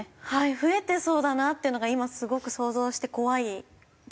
増えてそうだなっていうのが今すごく想像して怖いですね